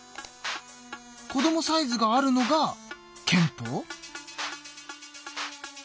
こどもサイズがあるのが憲法？